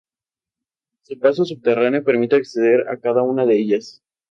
Un paso subterráneo permite acceder a cada una de ellas.